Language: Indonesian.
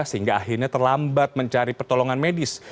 sehingga akhirnya terlambat mencari pertolongan medis